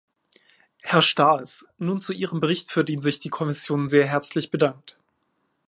Herr Staes, nun zu Ihrem Bericht, für den sich die Kommission sehr herzlich bedankt.